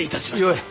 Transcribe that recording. よい。